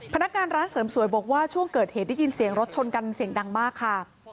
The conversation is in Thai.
พนักงานร้านเสริมสวยบอกว่าช่วงเกิดเหตุได้ยินเสียงรถชนกันเสียงดังมากค่ะ